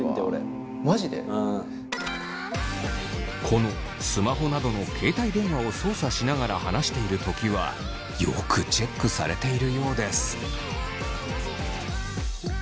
このスマホなどの携帯電話を操作しながら話しているときはよくチェックされているようです。